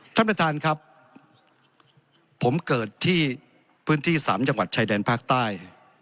ท่านประธานครับผมเกิดที่พื้นที่สามจังหวัดชายแดนภาคใต้